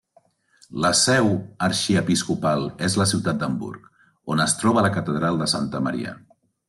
La seu arxiepiscopal és la ciutat d'Hamburg, on es troba la catedral de Santa Maria.